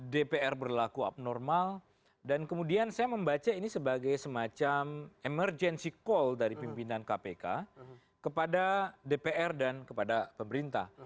dpr berlaku abnormal dan kemudian saya membaca ini sebagai semacam emergency call dari pimpinan kpk kepada dpr dan kepada pemerintah